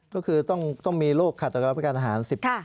ก็คือต้องมีโรคขัดการรับประการทหาร